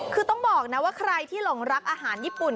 คือต้องบอกนะว่าใครที่หลงรักอาหารญี่ปุ่น